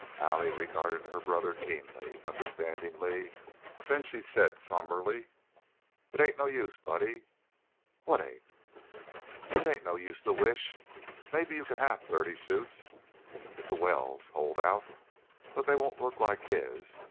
Allie regarded her brother keenly, understandingly, then she said, somberly, "It ain't no use, Buddy." "What ain't?" "It ain't no use to wish. Mebbe you can have thirty suits if the wells hold out, but they won't look like his.